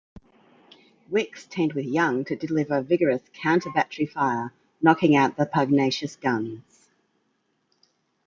"Wickes" teamed with "Young" to deliver vigorous counter-battery fire, knocking out the pugnacious guns.